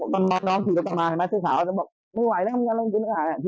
ก็คือค่ะนึกกันตัวว่า